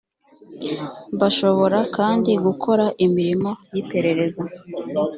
bashobora kandi gukora imirimo y iperereza